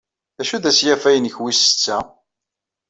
Acu d asyafa-inek wis setta?